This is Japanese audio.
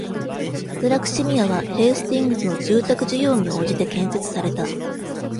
フラクシミアは、ヘースティングズの住宅需要に応じて建設された。